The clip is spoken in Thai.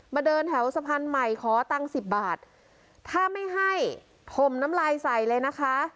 เดินแถวสะพานใหม่ขอตังค์สิบบาทถ้าไม่ให้ถมน้ำลายใส่เลยนะคะ